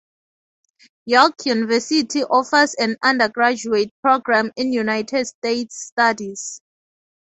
York University offers an undergraduate program in United States Studies.